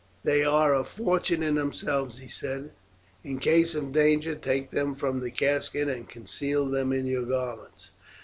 "They are a fortune in themselves," he said; "in case of danger, take them from the casket and conceal them in your garments.